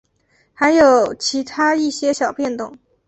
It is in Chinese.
还有其它一些小变动。